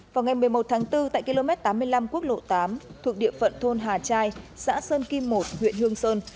vào ngày một mươi một tháng bốn tại km tám mươi năm quốc lộ tám thuộc địa phận thôn hà trai xã sơn kim một huyện hương sơn